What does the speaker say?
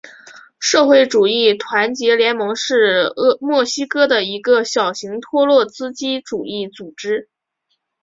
社会主义团结联盟是墨西哥的一个小型托洛茨基主义组织。